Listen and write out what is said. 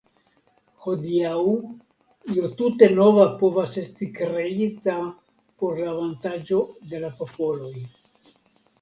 Hodiaŭ io tute nova povas esti kreita por la avantaĝo de la popoloj.